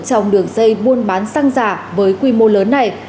trong đường dây buôn bán xăng giả với quy mô lớn này